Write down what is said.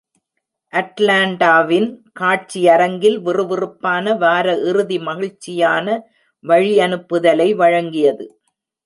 அட்லான்டாவின் காட்சியரங்கில் விறுவிறுப்பான வார இறுதி மகிழ்ச்சியான வழியனுப்புதலை வழங்கியது.